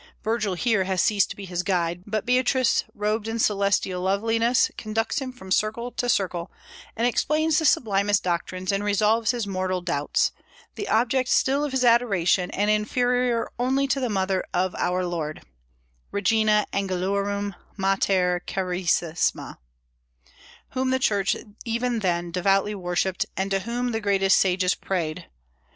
Virgil here has ceased to be his guide; but Beatrice, robed in celestial loveliness, conducts him from circle to circle, and explains the sublimest doctrines and resolves his mortal doubts, the object still of his adoration, and inferior only to the mother of our Lord, regina angelorum, mater carissima, whom the Church even then devoutly worshipped, and to whom the greatest sages prayed.